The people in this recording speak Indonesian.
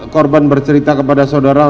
korban bercerita kepada saudara